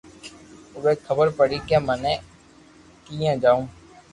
اووي خبر پڙي ڪي مني ڪيئي جاو